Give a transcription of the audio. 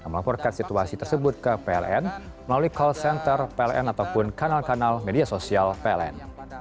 melaporkan situasi tersebut ke pln melalui call center pln ataupun kanal kanal media sosial pln